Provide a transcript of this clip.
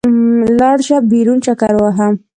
لاړ شه، بېرون چکر ووهه.